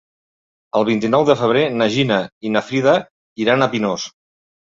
El vint-i-nou de febrer na Gina i na Frida iran a Pinós.